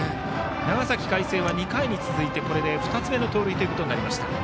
長崎・海星は２回に続いてこれで２つ目の盗塁。